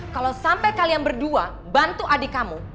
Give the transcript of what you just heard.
kalau sampai kalian berdua bantu adik kamu